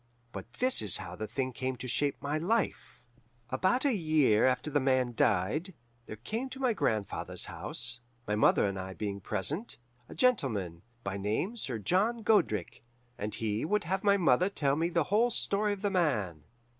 "But this is how the thing came to shape my life: "About a year after The Man died, there came to my grandfather's house, my mother and I being present, a gentleman, by name Sir John Godric, and he would have my mother tell the whole story of The Man.